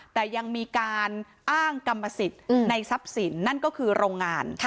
แต่ยังมีการอ้างกรรมสิทธิ์ในทรัพย์สินนั่นก็คือโรงงาน